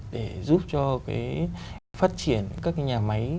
để giúp cho cái phát triển các cái nhà máy